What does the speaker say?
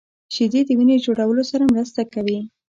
شیدې د وینې جوړولو سره مرسته کوي